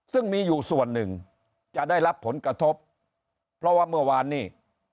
ซึ่งมีอยู่ส่วนหนึ่งจะได้รับผลกระทบเพราะว่าเมื่อวานนี้